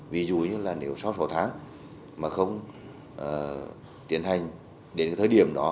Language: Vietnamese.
ví dụ như là nếu sau sáu tháng mà không tiến hành đến cái thời điểm đó